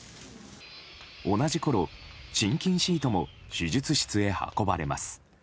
同じころ、心筋シートも手術室へ運ばれます。